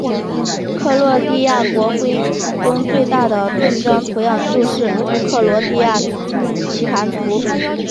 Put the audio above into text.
克罗地亚国徽中最大的盾章图样就是克罗地亚棋盘图。